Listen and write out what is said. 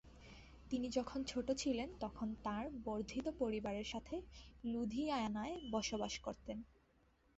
তিনি যখন ছোট ছিলেন তখন তিনি তাঁর বর্ধিত পরিবারের সাথে লুধিয়ানায় বসবাস করতেন।